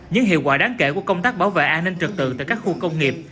những hiệu quả đáng kể của công tác bảo vệ an ninh trực tự tại các khu công nghiệp